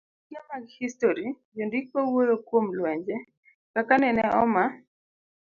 E buge mag histori, jondiko wuoyo kuom lwenje, kaka nene oma